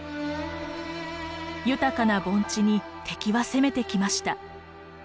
豊かな盆地に敵は攻めてきました。